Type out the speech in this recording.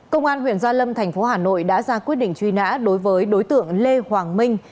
công an huyện gia lâm thành phố hà nội đã ra quyết định truy nã đối với đối tượng lê hoàng minh